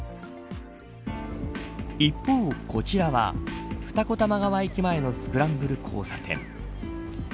一方、こちらは二子玉川駅前のスクランブル交差点。